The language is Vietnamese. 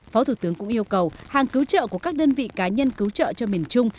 phó thủ tướng cũng yêu cầu hàng cứu trợ của các đơn vị cá nhân cứu trợ cho miền trung